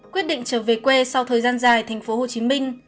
quyết định trở về quê sau thời gian dài thành phố hồ chí minh